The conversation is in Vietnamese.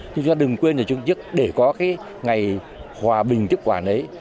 chúng ta đừng quên là chúng chức để có cái ngày hòa bình tiếp quản ấy